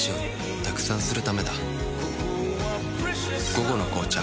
「午後の紅茶」